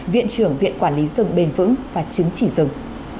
viện trưởng viện quản lý dừng bền vững và chứng chỉ dừng